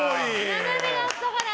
斜めだったから。